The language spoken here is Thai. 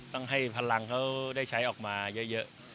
ต้องให้พลังเขาได้ใช้ออกมาเยอะ